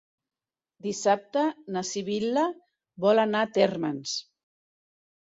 Dissabte na Sibil·la vol anar a Térmens.